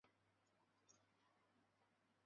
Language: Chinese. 她的父亲是德哈尔。